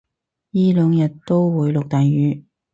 依兩日都會落大雨